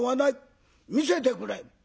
見せてくれ」。